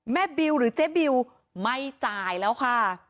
บิวหรือเจ๊บิวไม่จ่ายแล้วค่ะ